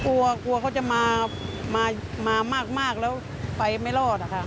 กลัวกลัวเขาจะมามากแล้วไปไม่รอดอะค่ะ